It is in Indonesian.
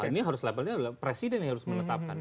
ini harus levelnya adalah presiden yang harus menetapkan